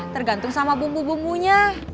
tergantung sama bumbu bumbunya